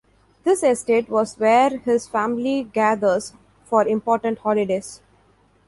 This estate was where his family gathers for important holidays.